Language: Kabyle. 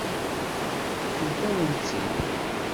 Ṭṭfent-awen-tt-id.